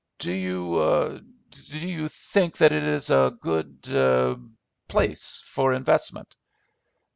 Do you—do you—think that it is a good—er—place for investment?"